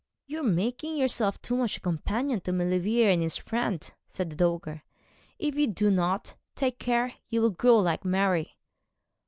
'You are making yourself too much a companion to Maulevrier and his friend,' said the dowager. 'If you do not take care you will grow like Mary.'